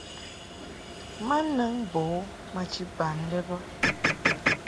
Ma nɨŋ bo u maji bam lɛ bə.